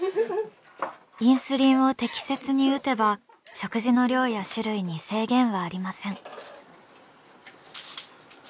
インスリンを適切に打てば食事の量や種類に制限はありません。